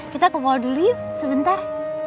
kita kemau dulu yuk sebentar